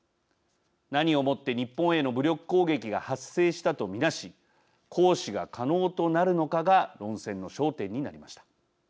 何をもって日本への武力攻撃が発生したと見なし行使が可能となるのかが論戦の焦点になりました。